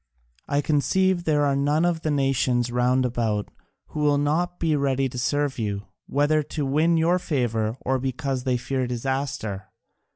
I conceive there are none of the nations round about who will not be ready to serve you, whether to win your favour or because they fear disaster.